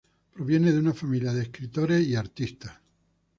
Proviene de una familia de escritores y artistas.